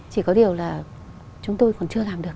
chỉ có điều là chúng tôi còn chưa làm được